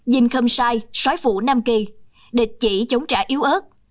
dinh khâm sai xói phủ nam kỳ địch chỉ chống trả yếu ớt